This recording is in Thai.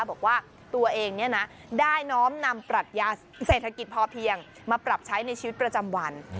บอกว่าตัวเองได้น้อมนำปรัชญาเศรษฐกิจพอเพียงมาปรับใช้ในชีวิตประจำวัน